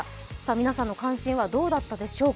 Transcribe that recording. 皆さんの関心はどうだったでしょうか？